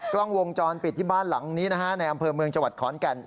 กล้องวงจรปิดที่บ้านหลังนี้นะฮะในอำเภอเมืองจังหวัดขอนแก่น